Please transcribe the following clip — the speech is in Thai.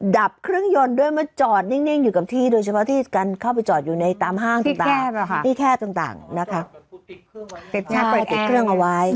ดับเครื่องยนต์ด้วยมาจอดนิ่งอยู่กับที่โดยเฉพาะที่กันเข้าไปจอดอยู่ในตามห้างต่าง